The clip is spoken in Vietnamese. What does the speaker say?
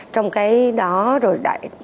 trong cái đó rồi